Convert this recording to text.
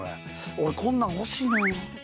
俺こんなん欲しいのよ。